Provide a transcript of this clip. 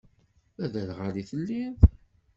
D aderɣal i telliḍ?